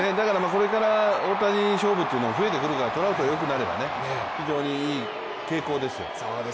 これから大谷勝負っていうのは増えてくるトラウト、よくなれば非常にいい傾向ですよ。